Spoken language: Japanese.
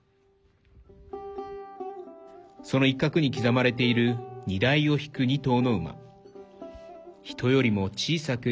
その一角に刻まれている荷台を引く